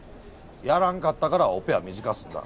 やらんかったからオペは短か済んだ。